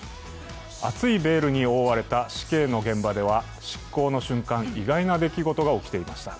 厚いベールに覆われた死刑の現場は、執行の瞬間、意外な出来事が起きていました。